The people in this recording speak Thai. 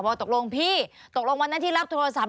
ตกลงพี่ตกลงวันนั้นที่รับโทรศัพท์